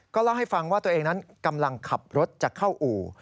เล่าให้ฟังว่าตัวเองนั้นกำลังขับรถจะเข้าอู่